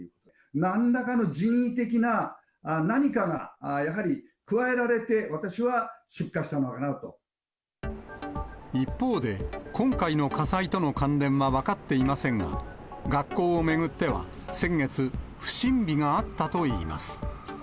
なんらかの人為的な何かがやはり、一方で、今回の火災との関連は分かっていませんが、学校を巡っては、先月、不審火があったといいます。